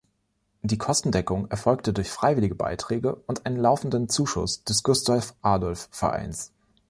Die Kostendeckung erfolgte durch freiwillige Beiträge und einen laufenden Zuschuss des Gustav-Adolf-Vereins.